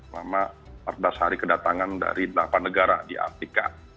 lama empat belas hari kedatangan dari delapan negara di afrika